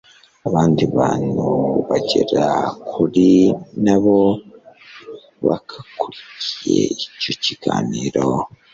Abandi bantu bagera kuri na bo bakurikiye icyo kiganiro